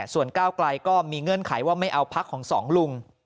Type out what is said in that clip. ส่วนก้าวไกลก็มีเงื่อนไขว่าไม่เอาพักของสองลุง